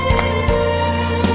lu udah ngapain